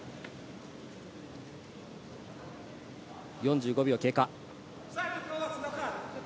４５秒経過。